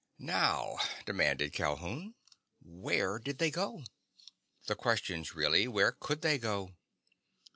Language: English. "Now," demanded Calhoun, "where did they go? The question's really where could they go!